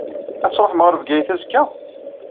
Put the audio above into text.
Ad tṛuḥem ɣer Bgayet azekka?